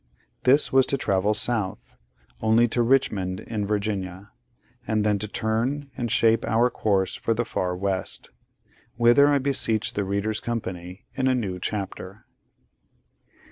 This was to travel south, only to Richmond in Virginia; and then to turn, and shape our course for the Far West; whither I beseech the reader's company, in a new chapter.